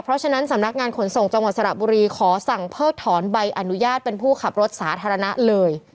เพราะฉะนั้นสำนักงานขนส่งจังหวัดสระบุรีขอสั่งเพิกถอนใบอนุญาตเป็นผู้ขับรถสาธารณะเลย